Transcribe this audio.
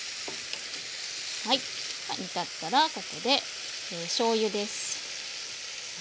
はい煮立ったらここでしょうゆです。